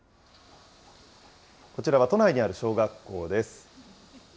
こちらは都内にある小学校です。